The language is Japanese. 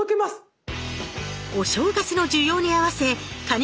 お正月の需要に合わせカニ